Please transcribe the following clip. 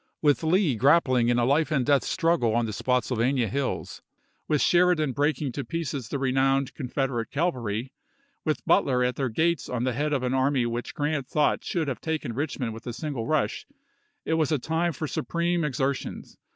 With Lee grappling in a life and death struggle on the Spotsylvania hills ; with Sheridan breaking to pieces the renowned Confederate cavalry ; with Butler at their gates at the head of an army which Grant thought should have taken Eichmond with a single rush, it was a time for supreme exertions.